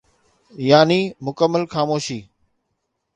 يعني مڪمل خاموشي.